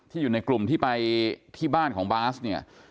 อยู่ในกลุ่มที่ไปที่บ้านของบาสเนี่ย